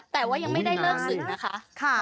แต่ว่ายังไม่ได้เลิกสื่อนะคะ